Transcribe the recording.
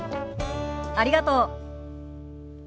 ありがとう。